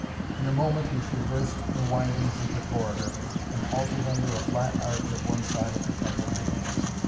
In a moment he traversed the windings of the corridor, and halted under a flat arch at one side of the temple nave.